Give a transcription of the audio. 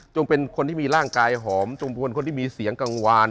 เป็นคนที่มีร่างกายหอมจงพลคนที่มีเสียงกังวาน